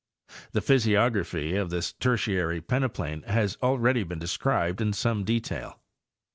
The physiography of this Tertiary peneplain has already been de scribed in some detail.